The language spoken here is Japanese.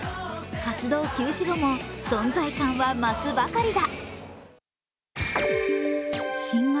活動休止後も存在感は増すばかりだ。